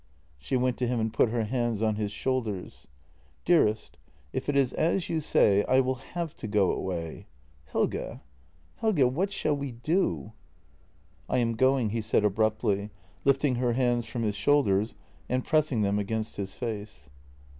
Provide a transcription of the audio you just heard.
She went to him and put her hands on his shoulders. " Dearest — if it is as you say, I will have to go away. Helge, Helge! What shall we do?" " I am going," he said abruptly, lifting her hands from his shoulders and pressing them against his face.